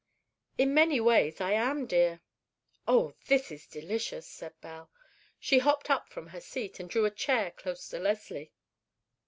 "In many ways I am, dear." "Oh, this is delicious," said Belle. She hopped up from her seat, and drew a chair close to Leslie.